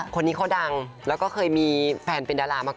คนนี้เขาดังแล้วก็เคยมีแฟนเป็นดารามาก่อน